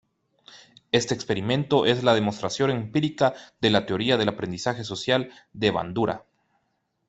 Este experimento es la demostración empírica de la teoría del aprendizaje social de Bandura.